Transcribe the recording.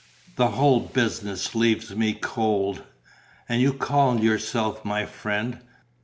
The whole business leaves me cold." "And you call yourself my friend!"